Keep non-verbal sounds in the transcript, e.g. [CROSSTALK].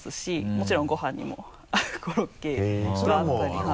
もちろんごはんにも合うコロッケがあったり [LAUGHS]